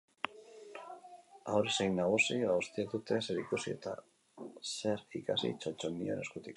Haur zein nagusi, guztiek dute zer ikusi eta zer ikasi txotxongiloen eskutik.